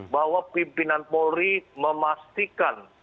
bahwa pimpinan polri memastikan